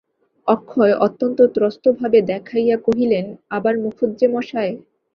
অক্ষয় অত্যন্ত ত্রস্তভাব দেখাইয়া কহিলেন, আবার মুখুজ্যেমশায়!